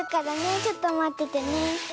ちょっとまっててね。